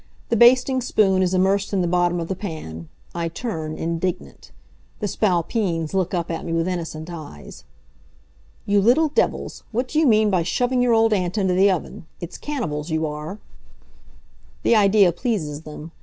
The basting spoon is immersed in the bottom of the pan. I turn, indignant. The Spalpeens look up at me with innocent eyes. "You little divils, what do you mean by shoving your old aunt into the oven! It's cannibals you are!" The idea pleases them.